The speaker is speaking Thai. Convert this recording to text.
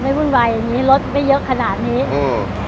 ไม่อุ่นวายรถไม่เยอะขนาดนี้